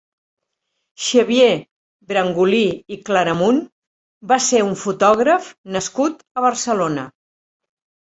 Xavier Brangulí i Claramunt va ser un fotògraf nascut a Barcelona.